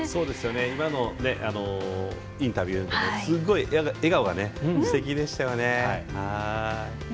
今のインタビューでもすごい笑顔がすてきでしたよね。